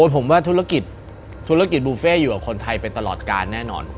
ผมว่าธุรกิจธุรกิจบุฟเฟ่อยู่กับคนไทยไปตลอดการแน่นอน